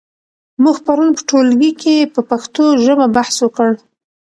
موږ پرون په ټولګي کې په پښتو ژبه بحث وکړ.